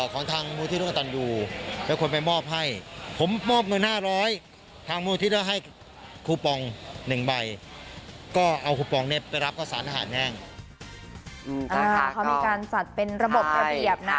เขามีการจัดเป็นระบบระเบียบนะ